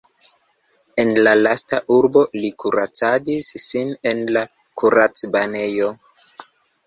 En la lasta urbo li kuracadis sin en la kuracbanejo.